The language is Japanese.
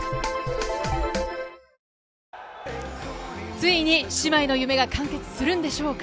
ついに姉妹の夢が完結するんでしょうか。